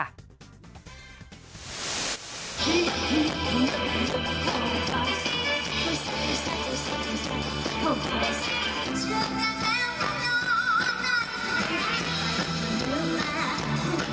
มีความรักของคุณพ่อวัยพจน์เพชรสุพรรณบุรีค่ะ